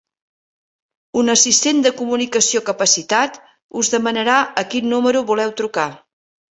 Un assistent de comunicació capacitat us demanarà a quin número voleu trucar.